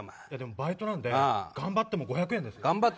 いやでもバイトなんで頑張っても５００円です。